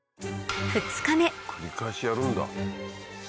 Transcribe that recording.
繰り返しやるんだ。